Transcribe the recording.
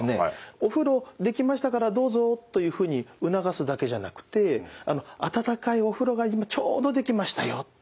「お風呂出来ましたからどうぞ」というふうに促すだけじゃなくて「温かいお風呂が今ちょうど出来ましたよ」と言ったり。